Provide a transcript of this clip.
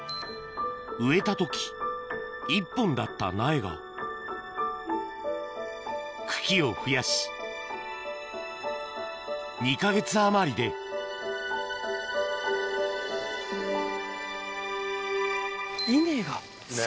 植えた時１本だった苗が茎を増やし２か月余りで稲が。